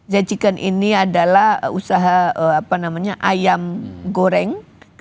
jadikan ini adalah usaha ayam goreng